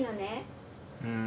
うん。